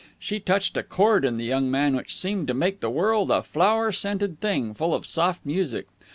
She touched a chord in the young man which seemed to make the world a flower scented thing, full of soft music.